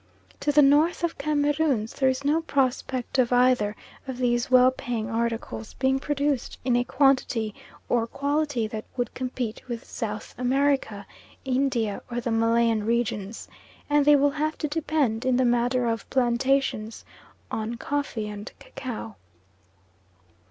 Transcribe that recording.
To the north of Cameroons there is no prospect of either of these well paying articles being produced in a quantity, or quality, that would compete with South America, India, or the Malayan regions, and they will have to depend in the matter of plantations on coffee and cacao.